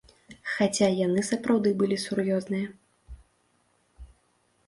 Хаця яны сапраўды былі сур'ёзныя.